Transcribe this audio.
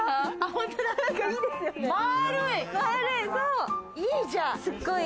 本当、いいじゃん。